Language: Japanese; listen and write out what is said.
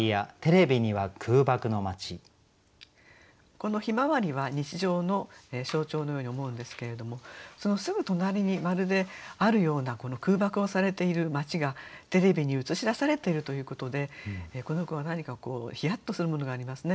この「向日葵」は日常の象徴のように思うんですけれどもそのすぐ隣にまるであるような空爆をされている街がテレビに映し出されているということでこの句は何かひやっとするものがありますね。